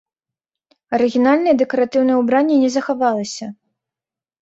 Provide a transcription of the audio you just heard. Арыгінальнае дэкаратыўнае ўбранне не захавалася.